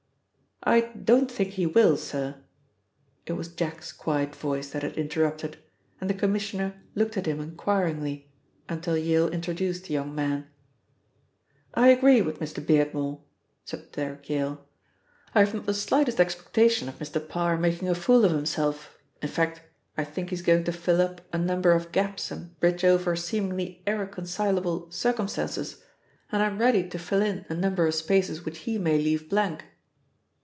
"I don't think he will, sir." It was Jack's quiet voice that had interrupted, and the Commissioner looked at him inquiringly until Yale introduced the young man. "I agree with Mr. Beardmore," said Derrick Yale. "I have not the slightest expectation of Mr. Parr making a fool of himself, in fact, I think he is going to fill up a number of gaps and bridge over seemingly irreconcilable circumstances, and I am ready to fill in a number of spaces which he may leave blank."